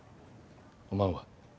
おまんは？